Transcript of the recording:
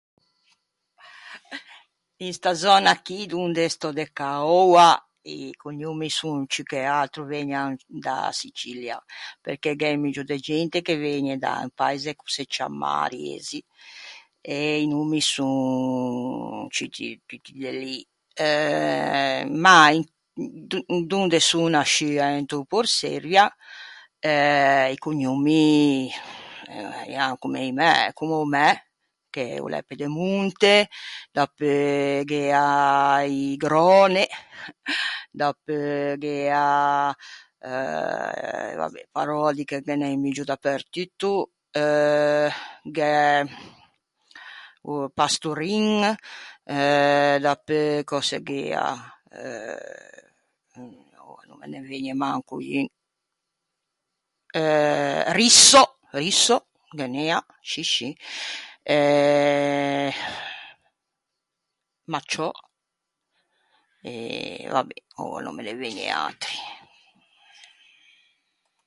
In sta zöna chì donde stò de cà oua i cognommi son ciù che atro, vëgnan da-a Sicilia. Perché gh’é un muggio de gente che vëgne da un paise ch’o se ciamma Riesi e i nommi son ciutti tutti de lì. Eh ma in donde son nasciua into Porçeivia i cognommi ean comme i mæ, comme o mæ, che o l’é Pedemonte, dapeu gh’ea i Gröne, dapeu gh’ea euh va be’ Parödi che ghe n’é un muggio dapertutto euh gh’é o Pastorin eh dapeu cöse gh’ea euh no me ne vëgne manco un. Euh Risso, Risso ghe n’ea, scì scì, eh Macciò e va be’, oua no me ne vëgne atri.